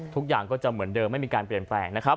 ทุกอย่างก็จะเหมือนเดิมไม่มีการเปลี่ยนแปลงนะครับ